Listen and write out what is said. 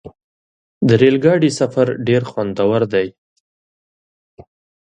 د ریل ګاډي سفر ډېر خوندور دی.